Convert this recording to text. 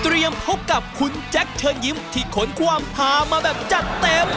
พบกับคุณแจ็คเชิญยิ้มที่ขนความหามาแบบจัดเต็ม